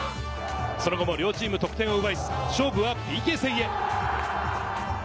その後も両チーム得点を奪えず、勝負はＰＫ戦へ。